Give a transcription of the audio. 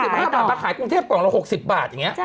มาขายกรุงเทพปล่อยแล้ว๖๐บาทอย่างนี้